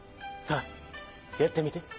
さあやってみて。